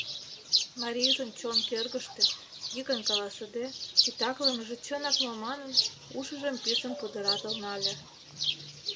Марийжын чон кӧргыштӧ, йӱкын каласыде, титаклымыже чынак мо манын, ушыжым писын пудыратыл нале.